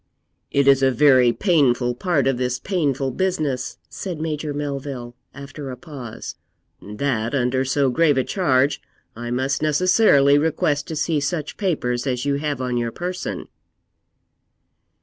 'It is a very painful part of this painful business,' said Major Melville, after a pause, 'that, under so grave a charge, I must necessarily request to see such papers as you have on your person.'